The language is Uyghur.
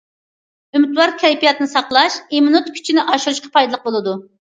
ئۈمىدۋار كەيپىياتنى ساقلاش ئىممۇنىتېت كۈچىنى ئاشۇرۇشقا پايدىلىق بولىدۇ.